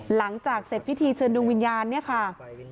หลังจากเสร็จพิธีเชิญดวงวิญญาณเนี่ยค่ะ